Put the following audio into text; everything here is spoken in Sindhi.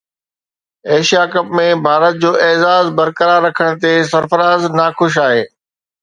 ايشيا ڪپ ۾ ڀارت جو اعزاز برقرار رکڻ تي سرفراز ناخوش آهي